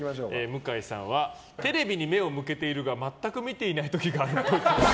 向井さんはテレビに目を向けているが全く見ていない時があるっぽい。